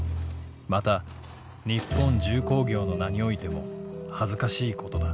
又日本重工業の名に於いても恥ずかしいことだ。